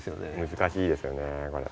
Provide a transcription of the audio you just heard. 難しいですよねこれ。